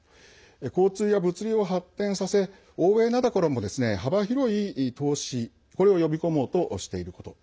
交通や物流を発展させ欧米などからも幅広い投資これを呼び込もうとしていること。